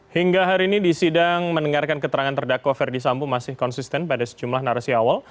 hingga hari ini di sidang mendengarkan keterangan terdakwa ferdi sambo masih konsisten pada sejumlah narasi awal